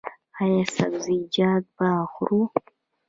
ایا سبزیجات به خورئ؟